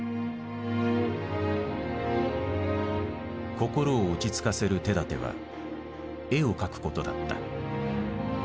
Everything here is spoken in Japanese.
心を落ち着かせる手だては絵を描くことだった。